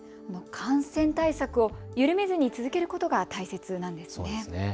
感染対策を緩めずに続けることが大切なんですね。